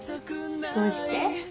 どうして？